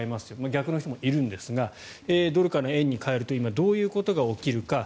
逆の人もいるんですがドルから円に替えると今、どういうことが起きるか。